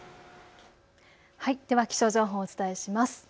では気象情報をお伝えします。